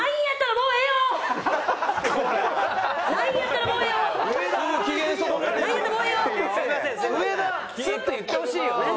スッと言ってほしいよね。